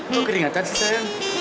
kok keringatan sih sayang